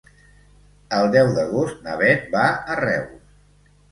El deu d'agost na Beth va a Reus.